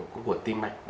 của tim mạch